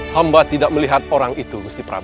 hamba tidak melihat orang itu musti perang